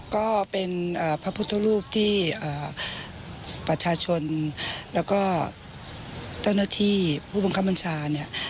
ก็เป็นพระพุทธรูปที่ประชาชนแล้วก็เจ้าหน้าที่ผู้บังคับบัญชาเนี่ย